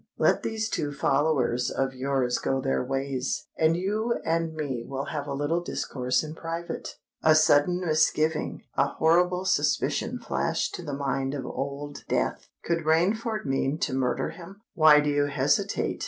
"Let these two followers of yours go their ways—and you and me will have a little discourse in private." A sudden misgiving—a horrible suspicion flashed to the mind of Old Death. Could Rainford mean to murder him? "Why do you hesitate?"